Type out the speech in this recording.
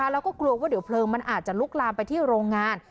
แล้วก็กลัวว่าเดี๋ยวเพลิงมันอาจจะลุกลามไปที่โรงงาน